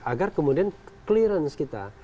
agar kemudian clearance kita